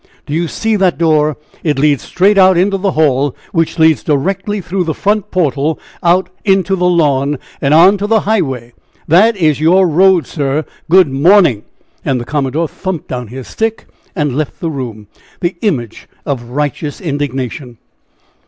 Do you see that door? It leads straight into the hall, which leads directly through the front portal out into the lawn, and on to the highway that is your road, sir. Good morning." And the commodore thumped down his stick and left the room the image of righteous indignation.